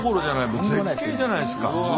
もう絶景じゃないですか。